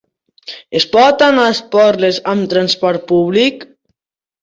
Es pot anar a Esporles amb transport públic?